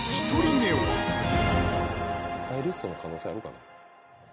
スタイリストの可能性あるかな